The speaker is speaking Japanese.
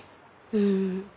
うん。